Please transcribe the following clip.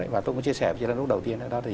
và tôi có chia sẻ với chị lân lúc đầu tiên